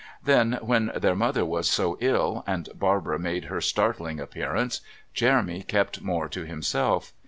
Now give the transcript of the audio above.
Then, when their mother was so ill and Barbara made her startling appearance Jeremy kept more to himself.